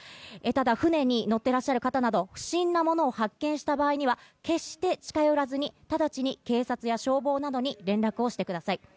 ただ、船に乗っていらっしゃる方など、不審なものを発見した場合には決して近寄らずに直ちに警察や消防などに連絡をしてください。